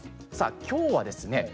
さあ、きょうはですね